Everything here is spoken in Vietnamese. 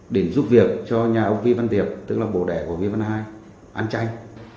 để giúp việc cho nhà ông vi văn tiệp tức là bồ đẻ của vi văn hai ăn tranh